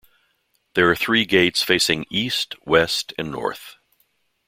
There are three gates facing east, west, and north.